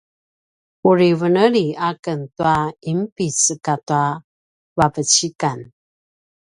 uri veneli aken tua ’inpic katua vavecikan